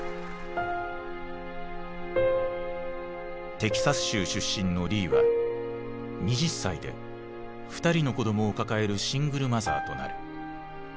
テキサス州出身のリーは２０歳で２人の子どもを抱えるシングルマザーとなる。